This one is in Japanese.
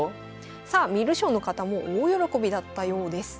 さあ観る将の方も大喜びだったようです。